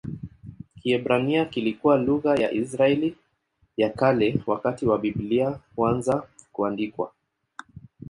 Kiebrania kilikuwa lugha ya Israeli ya Kale wakati wa Biblia kuanza kuandikwa.